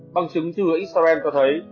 bằng chứng dưới instagram cho thấy